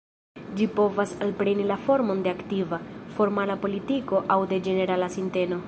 Ĝi povas alpreni la formon de aktiva, formala politiko aŭ de ĝenerala sinteno.